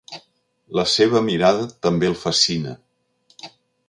La seva mirada també el fascina.